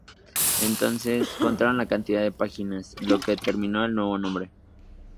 Entonces, contaron la cantidad de páginas, lo que determinó el nuevo nombre.